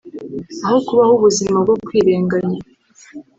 Aho kubaho ubuzima bwo kwirenganya